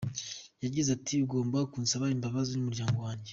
Yagize ati “Ugomba kunsaba imbabazi n’umuryango wanjye.